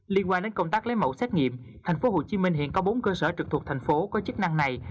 liên quan đến công tác lấy mẫu xét nghiệm tp hcm hiện có bốn cơ sở trực thuộc thành phố có chức năng này